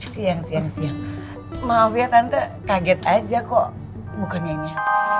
siang siang siang maaf ya tante kaget aja kok bukannya ini